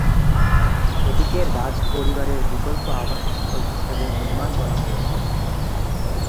এটিকে রাজপরিবারের বিকল্প আবাসস্থল হিসেবে নির্মাণ করা হয়েছিল।